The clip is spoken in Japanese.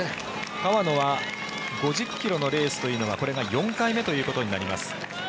川野は５０ｋｍのレースというのはこれが４回目となります。